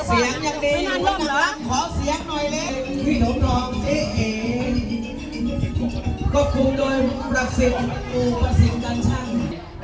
อาจารย์สะเทือนครูดีศิลปันติน